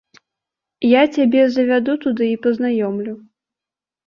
Я цябе завяду туды і пазнаёмлю.